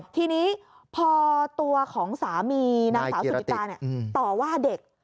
ทีนี้พอตัวของสามีนางสาวสุธิกาต่อว่าเด็ก